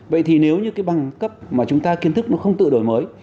vậy thì nếu như cái bằng cấp mà chúng ta kiến thức nó không tự đổi mới